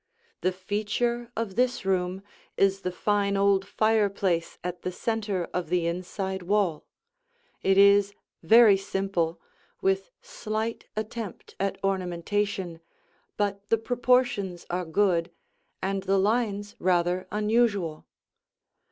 The feature of this room is the fine old fireplace at the center of the inside wall. It is very simple, with slight attempt at ornamentation, but the proportions are good, and the lines rather unusual.